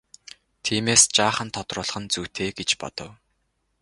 Тиймээс жаахан тодруулах нь зүйтэй гэж бодов.